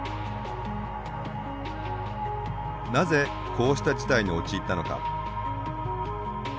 なぜこうした事態に陥ったのか。